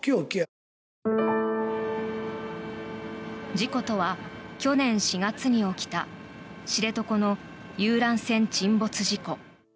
事故とは去年４月に起きた知床の遊覧船沈没事故。